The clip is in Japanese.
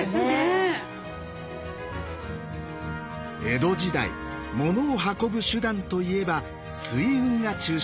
江戸時代物を運ぶ手段といえば水運が中心でした。